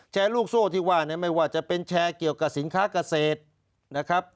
แชร์ลูกโซ่ที่ว่าไม่ว่าจะเป็นแชร์เกี่ยวกับสินค้าเกษตร